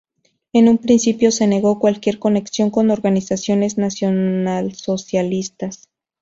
En un principio se negó cualquier conexión con organizaciones nacionalsocialistas.